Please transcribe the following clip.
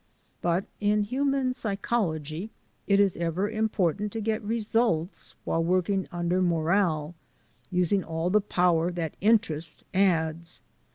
But in human psychology it is ever important to get results while working under morale, using all the power that interest adds.